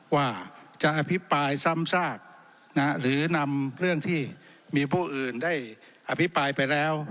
ว่าจะอภิปรายซ้ำซากหรือนำเรื่องที่มีผู้อื่นได้อภิปรายไปแล้ว